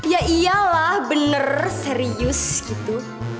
ya iyalah bener serius gitu